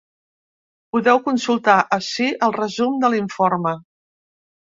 Podeu consultar ací el resum de l’informe.